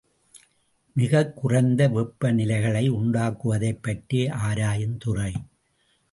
மிகக் குறைந்த வெப்பநிலைகளை உண்டாக்குவதைப் பற்றி ஆராயுந்துறை.